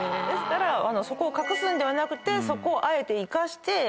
ですからそこを隠すんではなくてあえて生かして。